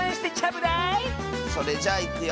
それじゃいくよ。